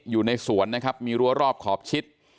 อยู่ในสวนนะครับมีรั้วรอบขอบชิด